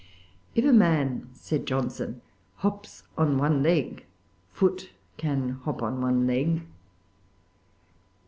"If a man," said Johnson, "hops on one leg, Foote can hop on one leg."